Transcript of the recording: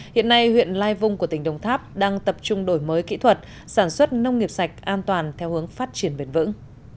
hiện nay huyện lai vung của tỉnh đồng tháp đang tập trung đổi mới kỹ thuật sản xuất nông nghiệp sạch an toàn theo hướng phát triển bền vững